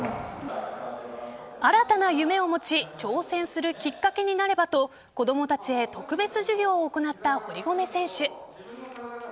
新たな夢を持ち挑戦するきっかけになればと子供たちへ特別授業を行った堀米選手。